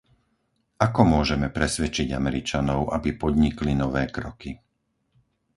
Ako môžeme presvedčiť Američanov, aby podnikli nové kroky?